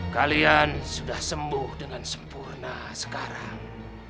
kalian sudah sembuh dengan sempurna sekarang